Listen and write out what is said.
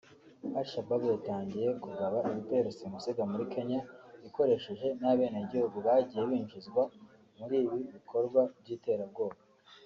Al-Shabab yatangiye kugaba ibitero simusiga muri Kenya ikoresheje n’abenegihugu bagiye binjizwa muri ibi bikorwa by’iterabwoba